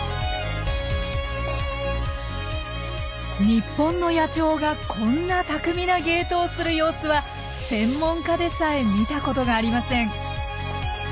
日本の野鳥がこんな巧みな芸当をする様子は専門家でさえ見たことがありません。